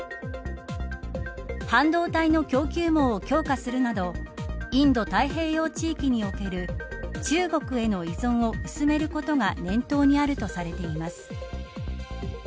半導体の供給網を強化するなどインド太平洋地域における中国への依存を薄めることが念頭にあるとされています。